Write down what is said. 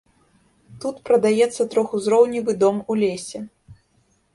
Тут прадаецца трохузроўневы дом у лесе.